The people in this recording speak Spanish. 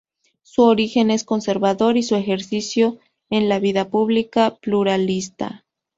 Su origen es conservador y su ejercicio en la vida pública pluralista.